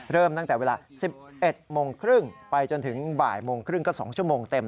เริ่มตั้งแต่เวลา๑๑โมงครึ่งไปจนถึงบ่ายโมงครึ่งก็๒ชั่วโมงเต็ม